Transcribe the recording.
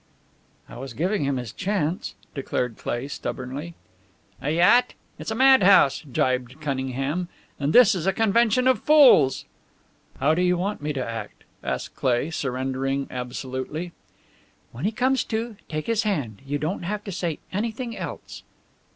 "I was giving him his chance," declared Cleigh, stubbornly. "A yacht? It's a madhouse," gibed Cunningham. "And this is a convention of fools!" "How do you want me to act?" asked Cleigh, surrendering absolutely. "When he comes to, take his hand. You don't have to say anything else."